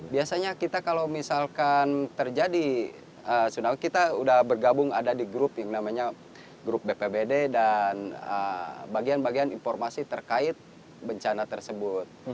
biasanya kita kalau misalkan terjadi tsunami kita sudah bergabung ada di grup yang namanya grup bpbd dan bagian bagian informasi terkait bencana tersebut